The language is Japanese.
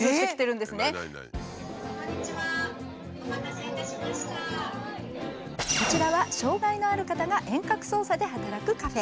今こちらは障害のある方が遠隔操作で働くカフェ。